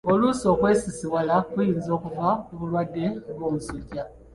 Oluusi okwesisiwala kuyinza okuva ku bulwadde ng’omusujja.